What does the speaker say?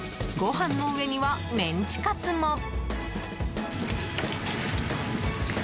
ご飯の上にはメンチカツも。